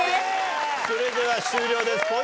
それでは終了です。